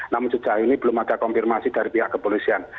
namun sejauh ini belum ada konfirmasi dari pihak kepolisian